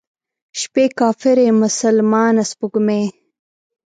شپې کافرې، مسلمانه سپوږمۍ،